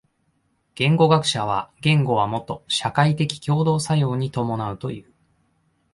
言語学者は言語はもと社会的共同作用に伴うという。